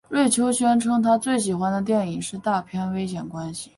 瑞秋宣称他最喜欢的电影是大片危险关系。